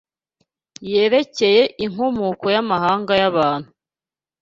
yerekeye inkomoko y’amahanga y’abantu